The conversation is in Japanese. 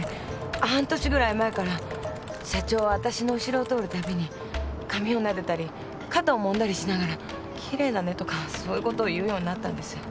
半年ぐらい前から社長はわたしの後ろを通る度に髪をなでたり肩をもんだりしながら「きれいだね」とかそういうことを言うようになったんです。